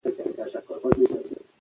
علم په پښتو ټولنه روښانه ساتي.